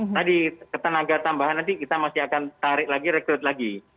tadi tenaga tambahan nanti kita masih akan tarik lagi rekrut lagi